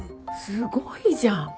すごいじゃん！